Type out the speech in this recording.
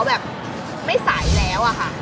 แบบไม่สายแล้วอะค่ะ